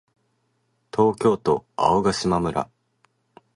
東京都青ヶ島村